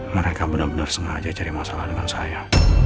mereka benar benar sengaja cari masalah dengan saya